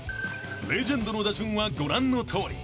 ［レジェンドの打順はご覧のとおり］